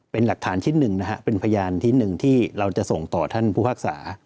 เป็นหลักฐานชิ้นหนึ่งนะฮะเป็นพยานชิ้นหนึ่งที่เราจะส่งต่อท่านผู้ภาคศา